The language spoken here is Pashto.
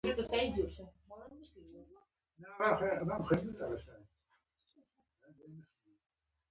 دا پروژه ماته د ننګرهار پوهنتون د انجنیرۍ پوهنځۍ لخوا سپارل شوې ده